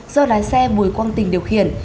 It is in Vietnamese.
do lái xe bùi quang tình điều khiển